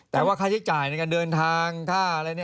แต่ว่าใครที่จ่ายในการเดินทางท่าอะไรเนี่ย